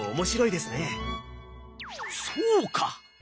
そうか！